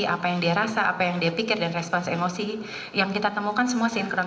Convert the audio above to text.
apa yang dia rasa apa yang dia pikir dan respons emosi yang kita temukan semua sinkron